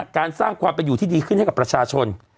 การสร้างความเป็นอยู่ที่ดีขึ้นให้กับประชาชน